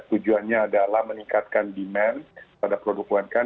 tujuannya adalah meningkatkan demand pada produk umkm